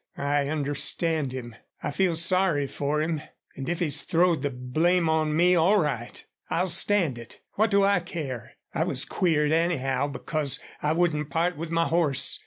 I understand him. I feel sorry for him.... An' if he's throwed the blame on me, all right. I'll stand it. What do I care? I was queered, anyhow, because I wouldn't part with my horse.